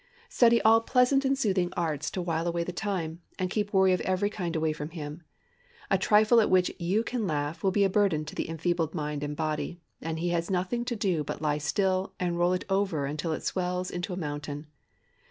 Study all pleasant and soothing arts to while away the time, and keep worry of every kind away from him. A trifle at which you can laugh will be a burden to the enfeebled mind and body, and he has nothing to do but lie still and roll it over until it swells into a mountain.